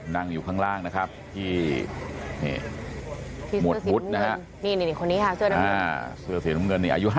นั่งอยู่ข้างล่างนะครับที่นี่หมวดวุฒินะฮะ